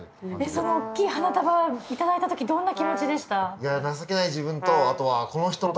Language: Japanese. その大きい花束頂いた時どんな気持ちでした？